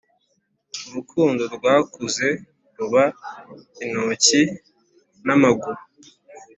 urukundo rwakuze ruba intoki n'amaguru